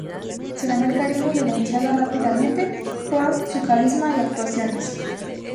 Se ganó el cariño de la hinchada rápidamente por su carisma y actuaciones.